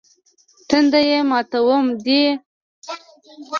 تنديه ماتوم دي، لګومه خو دې نه.